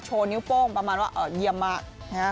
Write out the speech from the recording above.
โชว์นิ้วโป้งประมาณว่าเยี่ยมมาก